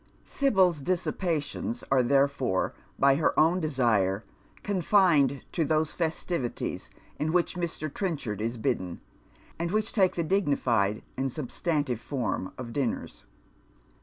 Sibyl's dissipations are therefore, by her own desire, confined to those festivities to which Mr. Trenchard is bidden, and which take the dignified and substantive form of dinners.